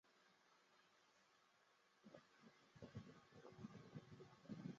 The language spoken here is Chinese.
鸯输伐摩塔库里王朝国王。